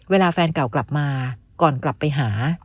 เวลาแฟนเก่ากลับมาก่อนกลับไปหา